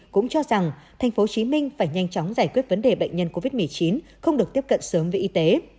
cũng cho rằng tp hcm phải nhanh chóng giải quyết vấn đề bệnh nhân covid một mươi chín không được tiếp cận sớm với y tế